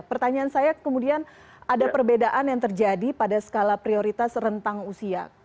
pertanyaan saya kemudian ada perbedaan yang terjadi pada skala prioritas rentang usia